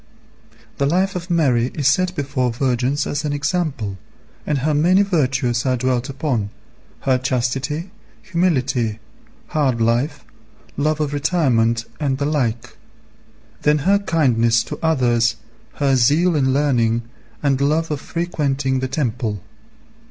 The life of Mary is set before virgins as an example, and her many virtues are dwelt upon, her chastity, humility, hard life, love of retirement, and the like; then her kindness to others, her zeal in learning, and love of frequenting the temple.